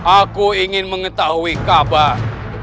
aku ingin mengetahui kabar